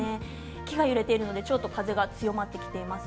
木が揺れているので風が強まってきています。